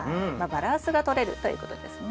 バランスがとれるということですね。